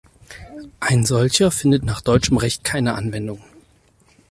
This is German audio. Ein solcher findet nach deutschem Recht keine Anwendung.